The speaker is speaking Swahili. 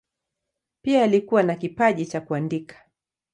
Pia alikuwa na kipaji cha kuandika.